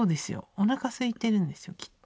おなかすいてるんですよきっと。